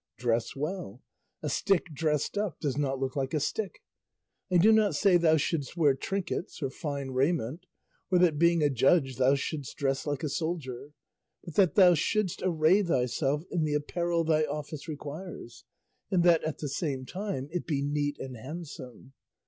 Dress well; a stick dressed up does not look like a stick; I do not say thou shouldst wear trinkets or fine raiment, or that being a judge thou shouldst dress like a soldier, but that thou shouldst array thyself in the apparel thy office requires, and that at the same time it be neat and handsome.